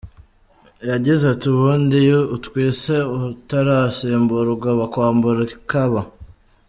yagize ati :"Ubundi iyo utwise utarasimburwa bakwambura ikaba .